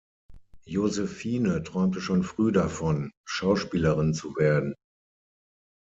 Josephine träumte schon früh davon, Schauspielerin zu werden.